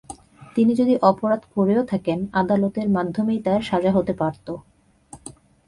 তিনি যদি অপরাধ করেও থাকেন, আদালতের মাধ্যমেই তাঁর সাজা হতে পারত।